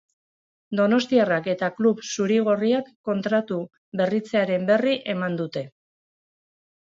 Donostiarrak eta klub zuri-gorriak kontratu berritzearen berri eman dute.